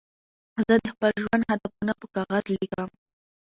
زه د خپل ژوند هدفونه په کاغذ لیکم.